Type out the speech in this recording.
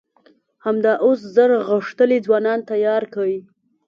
همدا اوس زر غښتلي ځوانان تيار کئ!